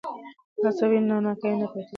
که هڅه وي نو ناکامي نه پاتیږي.